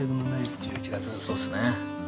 １１月、そうっすね。